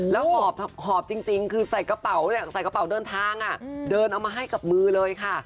แล้วหอบจริงคือใส่กระเป๋าเดินทางอะเดินเอามาให้กับมือเลยค่ะ